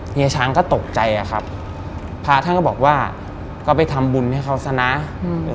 เฮียช้างก็ตกใจอ่ะครับพระท่านก็บอกว่าก็ไปทำบุญให้เขาซะนะอืม